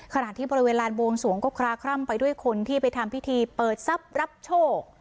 ขณะที่บริเวณลานบวงสวงก็คลาคร่ำไปด้วยคนที่ไปทำพิธีเปิดทรัพย์รับโชค